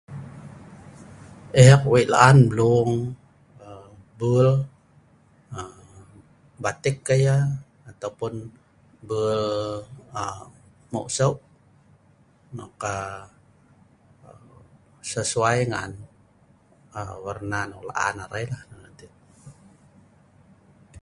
eek wei' laan mlung aa bul aa batik ka yah, ataupun bul ma hmu seu', nok aa sesuai ngan aro warna nok laan arai la